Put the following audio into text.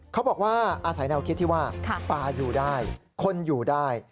เขาบอกว่าอาศัยแนวคิดที่ว่าป่าอยู่ได้คนอยู่ได้